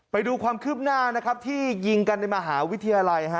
ไปดูความคืบหน้านะครับที่ยิงกันในมหาวิทยาลัย